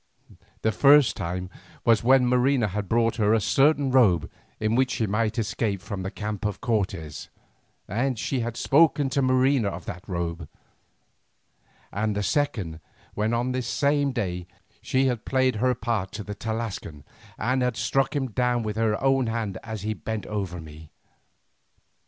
The first time was when Marina had brought her a certain robe in which she might escape from the camp of Cortes, and she had spoken to Marina of that robe; and the second when on this same day she had played her part to the Tlascalan, and had struck him down with her own hand as he bent over me.